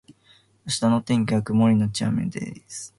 明日の天気は曇りのち雨です